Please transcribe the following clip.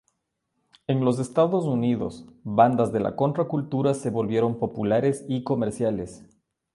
En los Estados Unidos, bandas de la contracultura se volvieron populares y comerciales.